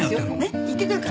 行ってくるから。